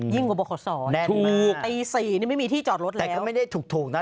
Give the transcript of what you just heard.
ยิ่งกว่าบุคสรตี๔นี่ไม่มีที่จอดรถแล้วแน่นมากแต่ก็ไม่ได้ถูกนะ